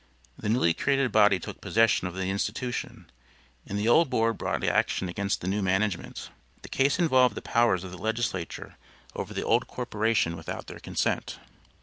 The newly created body took possession of the institution, and the old board brought action against the new management. The case involved the powers of the legislature over the old corporation without their consent.